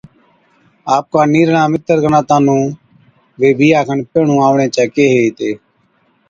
آپڪان نِيرڙان متر گناتان نُون وي بِيھا کن پيھِڻِيُون آوڻي چي ڪيھي ھِتي